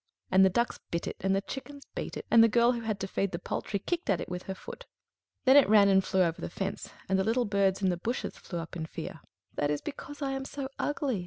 And the ducks bit it, and the chickens beat it, and the girl who had to feed the poultry kicked at it with her foot. Then it ran and flew over the fence, and the little birds in the bushes flew up in fear. "That is because I am so ugly!"